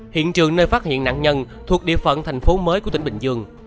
hiện trường nơi phát hiện nạn nhân thuộc địa phận thành phố mới của tỉnh bình dương